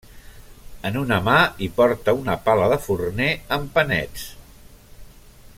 En una mà hi porta una pala de forner amb panets.